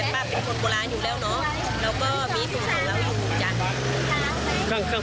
แล้วขายอยู่ห่อละเท่าไหร่ครับ